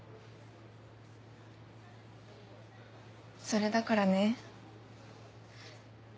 それだからね。